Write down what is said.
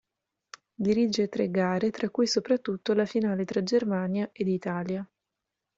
Dirige tre gare, tra cui soprattutto la finale tra Germania ed Italia.